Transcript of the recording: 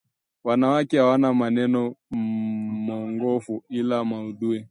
Wanawake hawana maneno mongofu ila maudhi